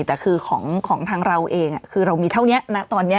แต่คือของทางเราเองคือเรามีเท่านี้นะตอนนี้